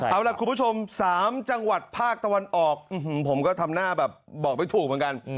เอาล่ะคุณผู้ชม๓จังหวัดภาคตะวันออกผมก็ทำหน้าแบบบอกไม่ถูกเหมือนกัน